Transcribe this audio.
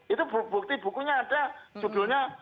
itu bukti bukunya ada judulnya